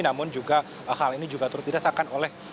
namun juga hal ini juga tertidak sakan oleh